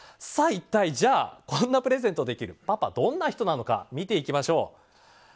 一体、こんなプレゼントをできるパパどんな人なのか見ていきましょう。